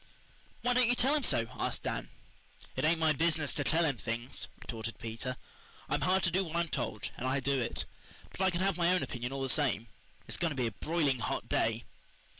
"Why don't you tell him so?" asked Dan. "It ain't my business to tell him things," retorted Peter. "I'm hired to do what I'm told, and I do it. But I can have my own opinion all the same. It's going to be a broiling hot day."